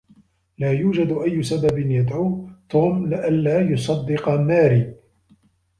لا يوجد أي سبب يدعو توم لئلا يصدق ماري.